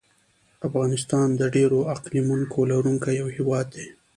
افغانستان د ډېرو اقلیمونو لرونکی یو هېواد دی.